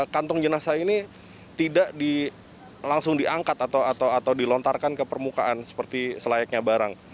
kantong jenazah ini tidak langsung diangkat atau dilontarkan ke permukaan seperti selayaknya barang